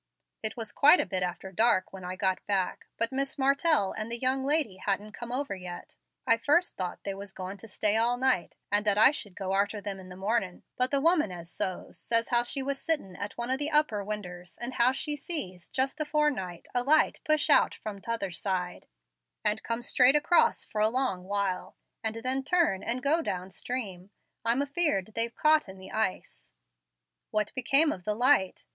"It was quite a bit after dark when I got back, but Mr. Martell and the young lady hadn't come over yet. I first thought they was goin' to stay all night, and that I should go arter them in the mornin'; but the woman as sews says how she was sittin' at one of the upper winders, and how she sees, just afore night, a light push out from t'other side and come straight across for a long while, and then turn and go down stream. I'm afeard they've caught in the ice." "But what became of the light?"